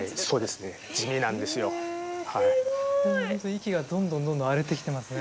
息がどんどんどんどん荒れてきてますね。